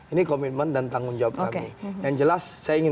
ini komitmen dan tanggung jawab kami